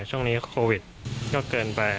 ช่วงนี้โควิดก็เกินไป